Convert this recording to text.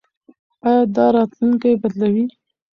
ایا دا راتلونکی بدلوي؟